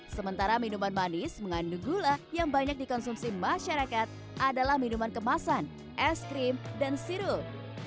sementara minuman manis mengandung gula yang banyak dikonsumsi masyarakat adalah minuman kemasan es krim dan sirup